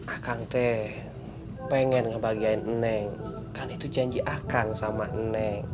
akang teh pengen ngebagiain eneng kan itu janji akan sama eneng